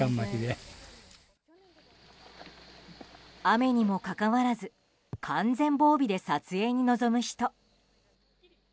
雨にもかかわらず完全防備で撮影に臨む人。